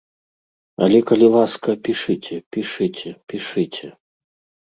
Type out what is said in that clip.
Але калі ласка, пішыце, пішыце, пішыце!